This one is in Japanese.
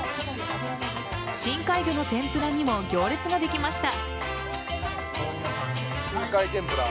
深海魚の天ぷらにも行列ができました。